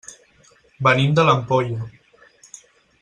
Venim de l'Ampolla.